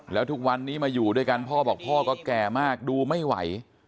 แล้วทุกวันนี้มาอยู่ด้วยกันพ่อบอกพ่อก็แก่มากดูไม่ไหว